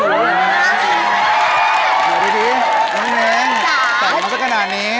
เดี๋ยวดูดิน้องแม้แต่มันจะขนาดนี้